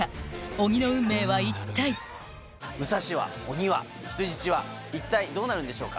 鬼の運命は一体武蔵は鬼は人質は一体どうなるんでしょうか？